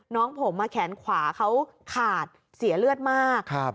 น้องผมแขนขวาเขาขาดเสียเลือดมาก